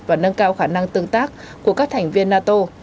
và nâng cao khả năng tương tác của các thành viên nato